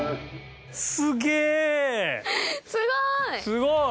すごい！